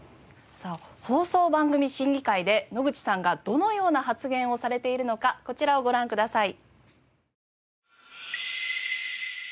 放送番組審議会で野口さんがどのような発言をされているのかこちらをご覧ください。